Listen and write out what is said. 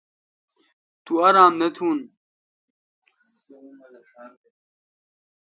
تو آرام نہ تھون۔